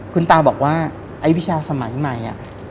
คุณตาบอกว่าไอ้วิชาสมัยใหม่